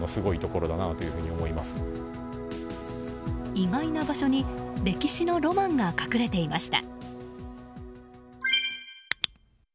意外な場所に歴史のロマンが隠れていました。